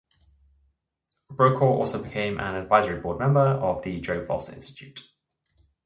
Brokaw also became an Advisory Board member of the Joe Foss Institute.